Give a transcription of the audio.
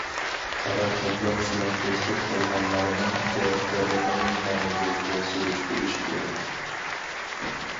قارا چاپلاپ زىيانكەشلىك قىلغانلارنىڭ جاۋابكارلىقىنى قانۇن بويىچە سۈرۈشتۈرۈش كېرەك.